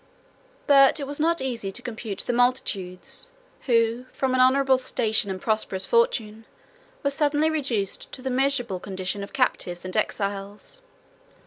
108 But it was not easy to compute the multitudes, who, from an honorable station and a prosperous fortune, were suddenly reduced to the miserable condition of captives and exiles.